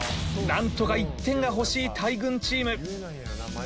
何とか１点が欲しい大群チーム